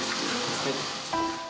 はい。